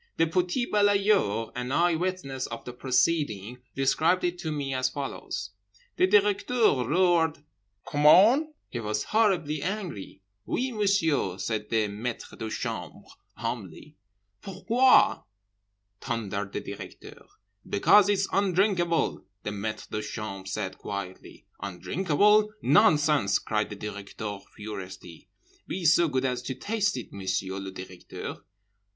The petit balayeur, an eye witness of the proceeding, described it to me as follows: "The Directeur roared 'COMMENT?' He was horribly angry. 'Oui, Monsieur,' said the maitre de chambre humbly—'Pourquoi?' thundered the Directeur.—'Because it's undrinkable,' the maitre de chambre said quietly.—'Undrinkable? Nonsense!' cried the Directeur furiously.—'Be so good as to taste it, Monsieur le Directeur.